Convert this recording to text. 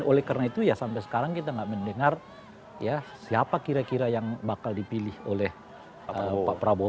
oleh karena itu ya sampai sekarang kita nggak mendengar ya siapa kira kira yang bakal dipilih oleh pak prabowo